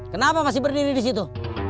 kenapa masih berdiri di situ